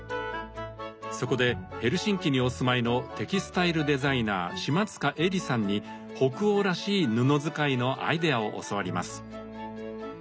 そこでヘルシンキにお住まいのテキスタイルデザイナー島塚絵里さんに北欧らしい布使いのアイデアを教わります。